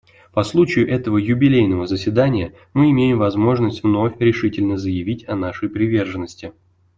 По случаю этого юбилейного заседания мы имеем возможность вновь решительно заявить о нашей приверженности.